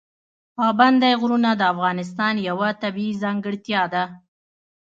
پابندی غرونه د افغانستان یوه طبیعي ځانګړتیا ده.